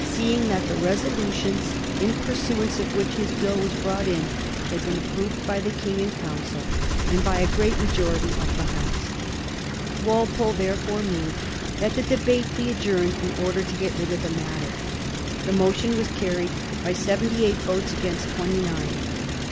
xn, seeing that the resolutions, in pursuance of which his Bill was brought in, had been approved by the King and council, and by a great majority of the House. Walpole, therefore, moved that the debate be ad journed, in order to get rid of the matter. The motion was carried by seventy eight voices against twenty nine.